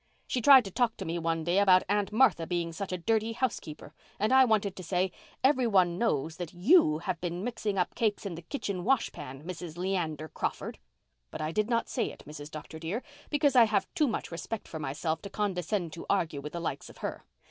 She tried to talk to me one day about Aunt Martha being such a dirty housekeeper; and I wanted to say, 'Every one knows that you have been seen mixing up cakes in the kitchen wash pan, Mrs. Leander Crawford!' But I did not say it, Mrs. Dr. dear, because I have too much respect for myself to condescend to argue with the likes of her.